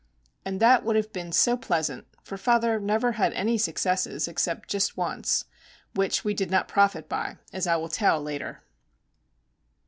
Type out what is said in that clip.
And that would have been so pleasant, for father never had any successes, except just once,—which we did not profit by, as I will tell later.